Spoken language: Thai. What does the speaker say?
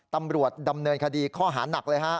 ตำรวจดำเนินคดีข้อหานักเลยฮะ